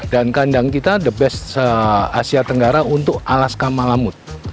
dan kandang kita the best asia tenggara untuk alaska malamute